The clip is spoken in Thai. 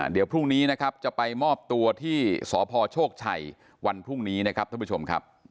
เดี๋ยวพรุ่งนี้นะครับจะไปมอบตัวที่สพโชคชัยวันพรุ่งนี้นะครับท่านผู้ชมครับ